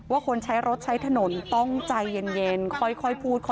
คนใช้รถใช้ถนนต้องใจเย็นค่อยพูด